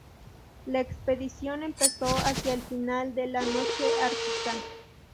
La expedición empezó hacia el final de la noche ártica.